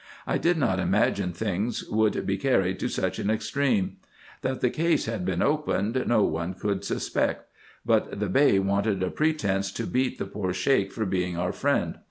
I did not imagine things would be carried to such an extreme. That the case had been opened no one covdd suspect ; but the Bey wanted a pretence to beat the poor Sheik for being our friend.